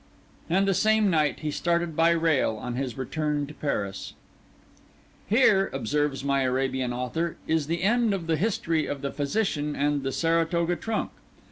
And the same night he started by rail on his return to Paris. Here (observes my Arabian author) is the end of The History of the Physician and the Saratoga Trunk.